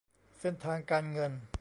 เส้นทางการเงิน